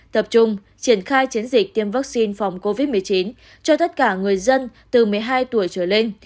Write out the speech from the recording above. tập trung triển khai chiến dịch tiêm vaccine phòng covid một mươi chín cho tất cả người dân từ một mươi hai tuổi trở lên